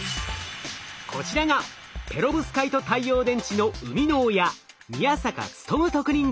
こちらがペロブスカイト太陽電池の生みの親